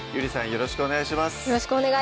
よろしくお願いします